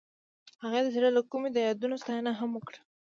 هغې د زړه له کومې د یادونه ستاینه هم وکړه.